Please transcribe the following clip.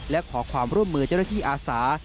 และขอความร่วมมือเจ้าหน้าที่อาสา